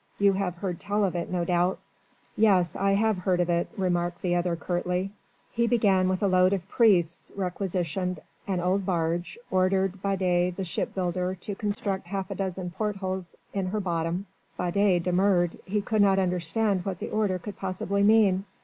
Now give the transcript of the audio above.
You have heard tell of it no doubt." "Yes. I have heard of it," remarked the other curtly. "He began with a load of priests. Requisitioned an old barge. Ordered Baudet the shipbuilder to construct half a dozen portholes in her bottom. Baudet demurred: he could not understand what the order could possibly mean.